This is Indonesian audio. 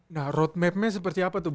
nah road mapnya seperti apa tuh bang